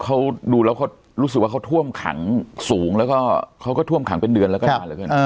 เขาดูแล้วเขารู้สึกว่าเขาท่วมขังสูงแล้วก็เขาก็ท่วมขังเป็นเดือนแล้วก็นานเหลือเกิน